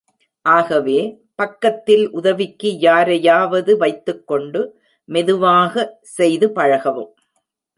ஆகவே, பக்கத்தில் உதவிக்கு யாரையாவது வைத்துக் கொண்டு, மெதுவாக செய்து பழகவும்.